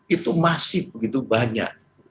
itu masih begitu banyak